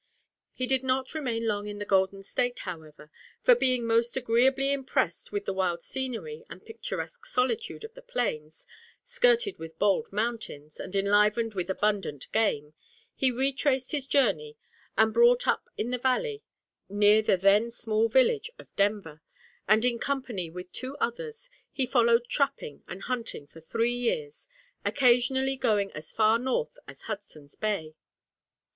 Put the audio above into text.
He did not remain long in the golden state, however, for being most agreeably impressed with the wild scenery and picturesque solitude of the plains, skirted with bold mountains, and enlivened with abundant game, he retraced his journey and brought up in the valley near the then small village of Denver, and, in company with two others, he followed trapping and hunting for three years, occasionally going as far north as Hudson's Bay.